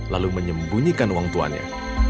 lalu menyembunyikan uang tuanya